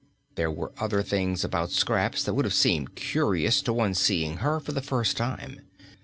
There were other things about Scraps that would have seemed curious to one seeing her for the first time.